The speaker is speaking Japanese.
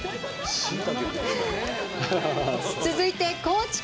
続いて高知県